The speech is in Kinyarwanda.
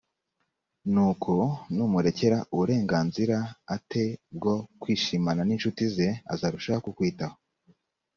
ni uko numurekera uburenganzira a te bwo kwishimana n incuti ze azarusho kukwitaho